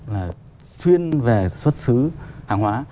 là chuyên về xuất xứ hàng hóa